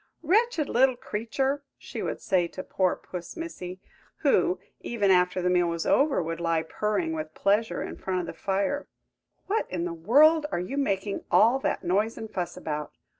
"Wretched little creature!" she would say to poor Puss Missy, who, even after the meal was over, would lie purring with pleasure in front of the fire; "what in the world are you making all that noise and fuss about?